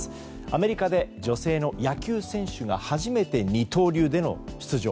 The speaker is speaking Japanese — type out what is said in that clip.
アメリカで女性の野球選手が初めて二刀流での出場。